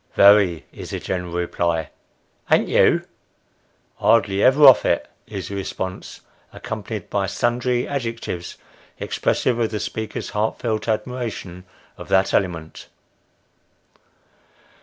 " Very," is the general reply, " An't you ?"" Hardly ever off it," is the response, accompanied by sundry adjectives, expressive of the speaker's heartfelt admiration of that element.